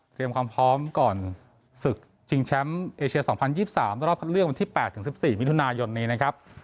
ความพร้อมก่อนศึกชิงแชมป์เอเชีย๒๐๒๓รอบคัดเลือกวันที่๘๑๔มิถุนายนนี้นะครับ